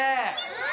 うん！